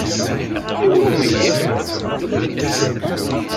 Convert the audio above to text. I wumi?